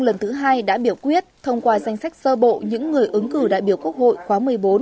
cơ quan tổ chức đơn vị ở trung ương đã được biểu quyết thông qua danh sách sơ bộ những người ứng cử đại biểu quốc hội khóa một mươi bốn